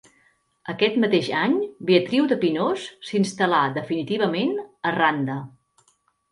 Aquest mateix any Beatriu de Pinós s’instal·là definitivament a Randa.